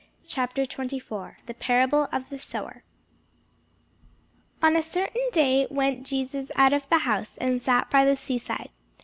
CHAPTER 24 THE PARABLE OF THE SOWER ON a certain day went Jesus out of the house, and sat by the sea side.